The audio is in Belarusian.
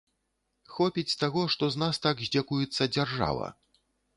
Хопіць таго, што з нас так здзекуецца дзяржава.